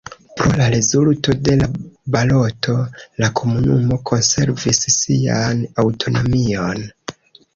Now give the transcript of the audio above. Pro la rezulto de la baloto la komunumo konservis sian aŭtonomion.